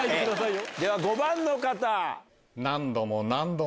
では５番の方。